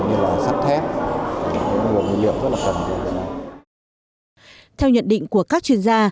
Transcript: như sắt thép các nguồn nguyên liệu rất là cần theo nhận định của các chuyên gia